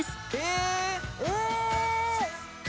え！